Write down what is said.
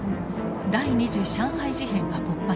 第二次上海事変が勃発します。